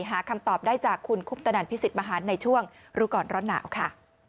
หาคำตอบได้จากคุณคุปตนันพิสิทธิมหันในช่วงรู้ก่อนร้อนหนาวค่ะ